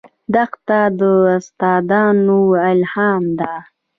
دښته د داستانونو الهام ده.